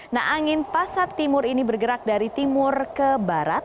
nah angin pasat timur ini bergerak dari timur ke barat